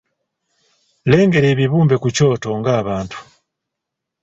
Lengera ebibumbe ku kyoto ng’abantu.